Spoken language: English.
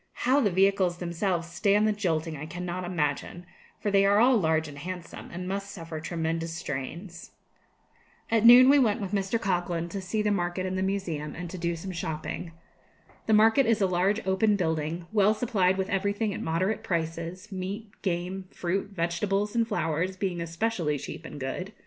How the vehicles themselves stand the jolting I cannot imagine, for they are all large and handsome, and must suffer tremendous strains. At noon we went with Mr. Coghlan to see the market and the museum, and to do some shopping. The market is a large open building, well supplied with everything at moderate prices; meat, game, fruit, vegetables, and flowers being especially cheap and good.